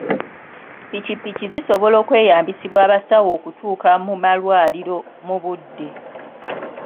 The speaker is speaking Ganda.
Ppikipiki zisobola okweyambisibwa abasawo okutuuka ku malwaliro mu budde.